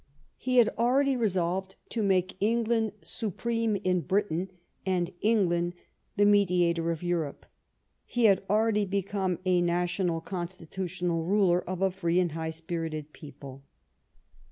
He was already resolved to make England supreme in 60 EDWARD I chap. Britain and England the mediator of Europe. He had already become a national constitutional ruler of a free and high spirited people.